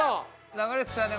流れてたよね